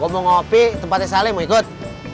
gue mau ngopi tempatnya sale mau ikut